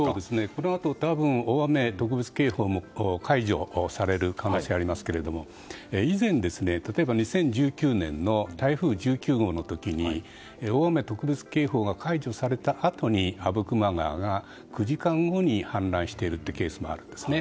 このあと多分、大雨特別警報も解除される可能性がありますが以前、例えば２０１９年の台風１９号の時に大雨特別警報が解除されたあとに阿武隈川が９時間後に氾濫しているケースもあるんですね。